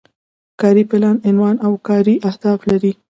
کاري پلان عنوان او کاري اهداف لري.